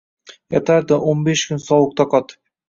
Yotardi o’n besh kun sovuqda qotib.